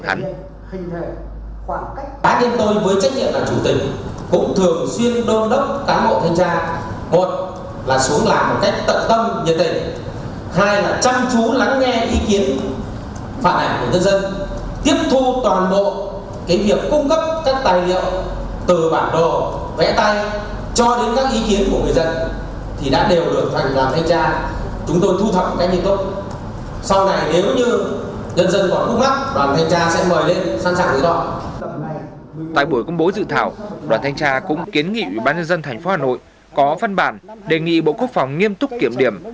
tại buổi công bố dự thảo đoàn thanh tra cũng kiến nghị ubnd tp hà nội có phân bản đề nghị bộ quốc phòng nghiêm túc kiểm điểm